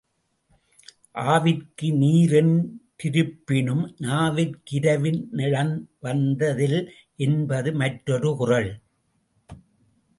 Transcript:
ஆவிற்கு நீரென் றிரப்பினு நாவிற் கிரவி னிழிவந்த தில் என்பது மற்றொரு குறள்.